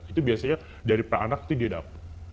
itu biasanya dari praanak itu dia dapat